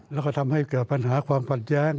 แล้วก็ทำให้เกิดปัญหาความขัดแย้ง